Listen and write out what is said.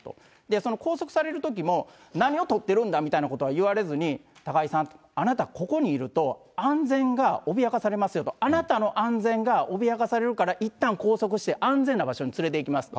その拘束されるときも、何を撮ってるんだみたいなことは言われずに、高井さん、あなたここにいると、安全が脅かされますよと、あなたの安全が脅かされるから、いったん拘束して、安全な場所に連れていきますと。